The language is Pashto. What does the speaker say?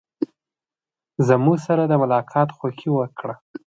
زموږ سره د ملاقات خوښي وکړه.